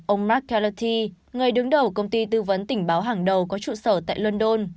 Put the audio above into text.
ông mark kallati người đứng đầu công ty tư vấn tình báo hàng đầu có trụ sở tại london